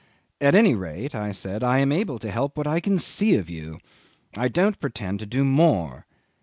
"At any rate," I said, "I am able to help what I can see of you. I don't pretend to do more."